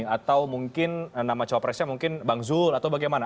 atau mungkin nama cawapresnya mungkin bang zul atau bagaimana